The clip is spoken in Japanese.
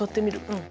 うん。